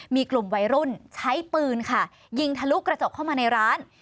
มีกลุ่มวัยรุ่นใช้ปืนค่ะยิงทะลุกระจกเข้ามาในร้าน